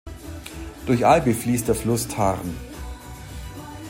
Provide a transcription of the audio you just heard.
Durch Albi fließt der Fluss Tarn.